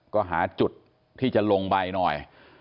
ก็หาจุดที่จะลงไปหน่อย